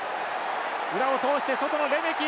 裏を通して外のレメキ。